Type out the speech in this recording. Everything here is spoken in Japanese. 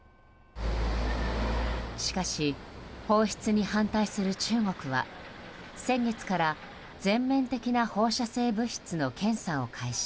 しかし、放出に反対する中国は先月から全面的な放射性物質の検査を開始。